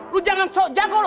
lu jangan sok jago loh